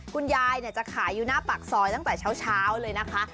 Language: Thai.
คุณยายจะขายอยู่หน้าปากซอยตั้งแต่เช้าเลยนะคะ